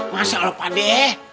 masya allah padeh